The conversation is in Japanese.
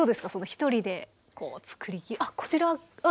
一人でこう作りきるあっこちら。